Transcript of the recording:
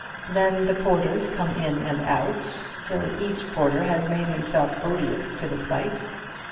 Then the porters come in and out, till each porter has made himself odious to the sight.